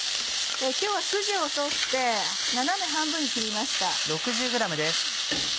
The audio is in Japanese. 今日はスジを取って斜め半分に切りました。